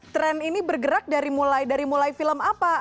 tren ini bergerak dari mulai film apa